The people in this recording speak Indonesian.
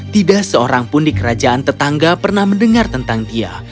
tidak seorangpun di kerajaan tetangga pernah mendengar tentang dia